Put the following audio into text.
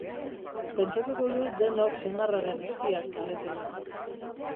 Pentsatuko du denok senarraren espiak zaretela.